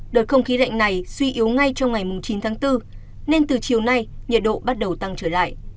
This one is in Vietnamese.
đợt không khí lạnh này suy yếu ngay trong ngày chín tháng bốn nên từ chiều nay nhiệt độ bắt đầu tăng trở lại